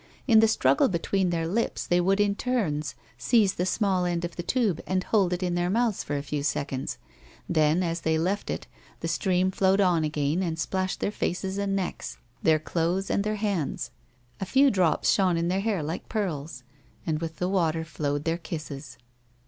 In the struggle between their lips they would in turns seize the small end of the tube and hold it in their mouths for a few seconds ; then, as they left it, the stream flowed on again and splashed their faces and necks, their clothes and their hands. A few drops shone in their hair like pearls, and with the water flowed their kisses.